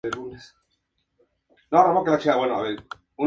La primera edición fue relativamente corta con un periodo de tiempo de tres días.